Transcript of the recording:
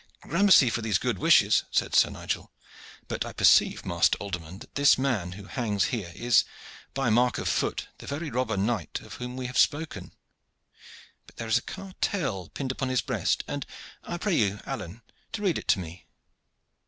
"Gramercy for these good wishes!" said Sir Nigel. "But I perceive, master alderman, that this man who hangs here is, by mark of foot, the very robber knight of whom we have spoken. But there is a cartel pinned upon his breast, and I pray you, Alleyne, to read it to me."